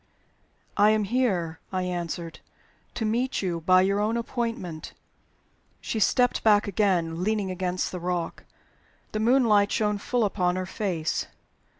"I am here," I answered, "to meet you, by your own appointment." She stepped back again, leaning against the rock. The moonlight shone full upon her face.